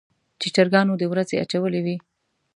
چې چرګانو د ورځې اچولې وي.